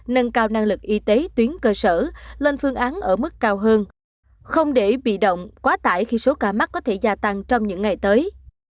nâng cao năng lực y tế tuyến cơ sở lên phương án ở mức cao hơn không để bị động quá tải khi số ca mắc có thể gia tăng trong những ngày tới